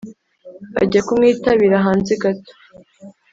ajya kumwitabira hanze gato